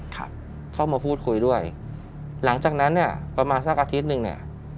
ครับเข้ามาพูดคุยด้วยหลังจากนั้นเนี่ยประมาณสักอาทิตย์หนึ่งเนี่ย